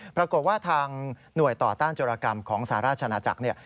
ปรากฏว่าทางหน่วยต่อต้านโจรกรรมของสหราชนาจักรเนี่ย